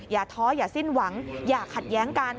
อย่าท้ออย่าสิ้นหวังอย่าขัดแย้งกัน